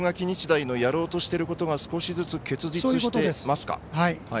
日大のやろうとしていることが少しずつ結実してますか。